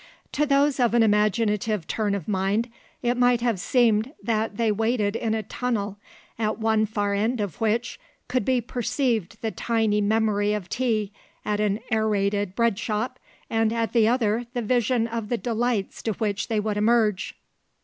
To those of an imaginative turn of mind it might have seemed that they waited in a tunnel at one far end of which could be perceived the tiny memory of tea at an Aerated Bread shop and at the other the vision of the delights to which they would emerge.